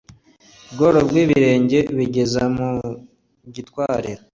bworo bw ibirenge bigeza mu gitwariro